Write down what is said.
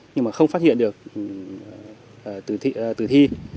nhưng mà không phát hiện được tử thi